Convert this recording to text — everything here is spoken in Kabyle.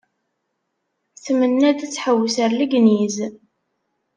Tmenna-d ad tḥewwes ar Legniz.